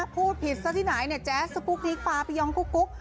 พูดผิดซะที่ไหนเนี่ยแจ๊สสปุ๊กนิกปลาไปยองกุ๊ก